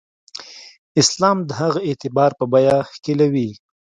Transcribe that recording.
اسلام د هغه اعتبار په بیه ښکېلوي.